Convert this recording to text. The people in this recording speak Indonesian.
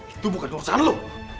itu bukan urusan lu